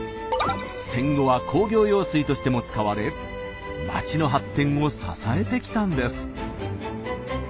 戦後は工業用水としても使われ街の発展を支えてきたんです。